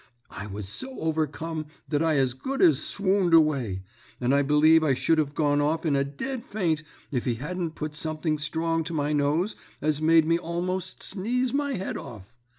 I was so overcome that I as good as swooned away, and I believe I should have gone off in a dead faint if he hadn't put something strong to my nose as made me almost sneeze my head off.